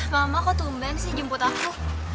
mama kok tumban sih jemput aku